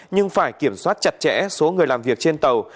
nhưng phải kiểm soát chặt chẽ số người làm việc trên tàu